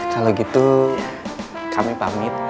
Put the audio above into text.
kalau gitu kami pamit